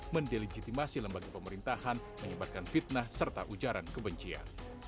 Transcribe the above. mendelegitimasi lembaga pemerintahan menyebabkan fitnah serta ujaran kebencian